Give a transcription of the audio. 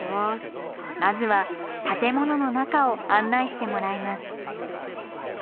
まずは建物の中を案内してもらいます。